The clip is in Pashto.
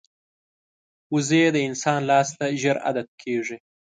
وزې د انسان لاس ته ژر عادت کېږي